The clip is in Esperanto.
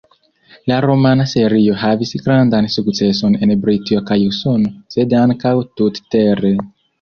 La romana serio havis grandan sukceson en Britio kaj Usono sed ankaŭ tut-tere.